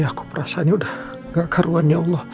aku perasaannya udah gak karuan ya allah